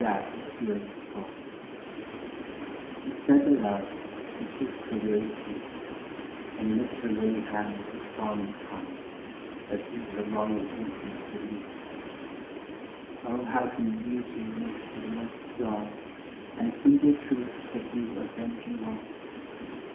it his furious forse. UYT11HWL: LEGENDARY. Ill Instead thereof, he kist her wearie feet, And lickt her lilly hands with fawning tong As he her wronged innocence did weet.* O how can beautie maister the most strong, And simple truth subdue avenging wrong